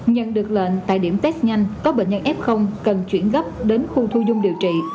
nhận được lệnh tại điểm test nhanh có bệnh nhân f cần chuyển gấp đến khu thu dung điều trị